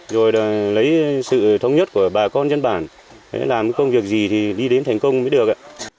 rồi là lấy sự thống nhất của bà con dân bản làm công việc gì thì đi đến thành công mới được ạ